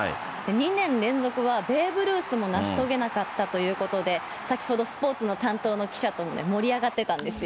２年連続はベーブ・ルースも成し遂げなかったということで、先ほどスポーツの担当の記者と盛り上がってたんですよ。